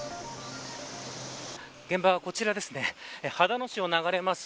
現場はこちら秦野市を流れます